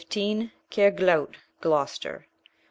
Cair glout (Gloucester).